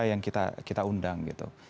yang kita undang gitu